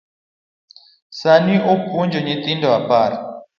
Sani apuonjo nyithindo apar.